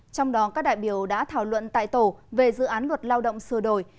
trong đó các đại biểu đã thảo luận tại tổ về dự án luật lao động sửa đổi